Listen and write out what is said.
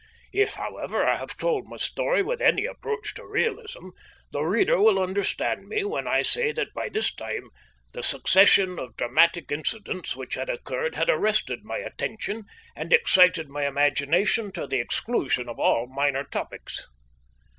If, however, I have told my story with any approach to realism, the reader will understand me when I say that by this time the succession of dramatic incidents which had occurred had arrested my attention and excited my imagination to the exclusion of all minor topics.